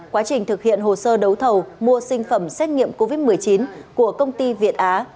quá trình thực hiện hồ sơ đấu thầu mua sinh phẩm xét nghiệm covid một mươi chín của công ty việt á